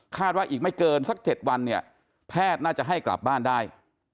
ว่าอีกไม่เกินสัก๗วันเนี่ยแพทย์น่าจะให้กลับบ้านได้